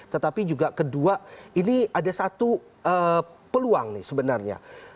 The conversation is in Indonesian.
tetapi juga kedua ini ada satu peluang nih sebenarnya